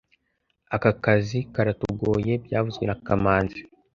Aka kazi karatugoye byavuzwe na kamanzi